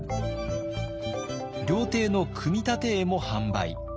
料亭の組立絵も販売。